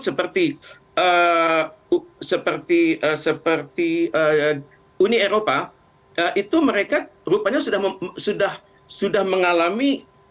seperti uni eropa itu mereka rupanya sudah mengalami